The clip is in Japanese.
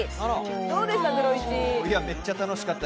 どうでした？